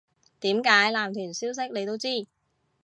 點解男團消息你都知